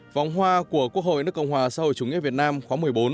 vòng hoa của quốc hội nước cộng hòa xã hội chủ nghĩa việt nam khóa một mươi bốn